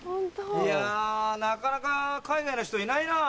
いやなかなか海外の人いないなぁ？